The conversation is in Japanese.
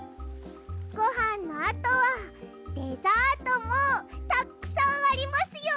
ごはんのあとはデザートもたくさんありますよ。